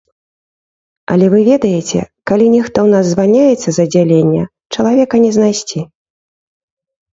Але вы ведаеце, калі нехта ў нас звальняецца з аддзялення, чалавека не знайсці.